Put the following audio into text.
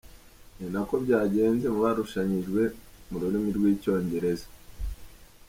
Ni nako byagenze mu barushanyijwe mu rurimi rw’Icyongereza.